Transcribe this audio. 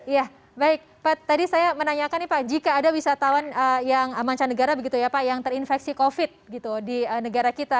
ya baik pak tadi saya menanyakan nih pak jika ada wisatawan yang mancanegara begitu ya pak yang terinfeksi covid gitu di negara kita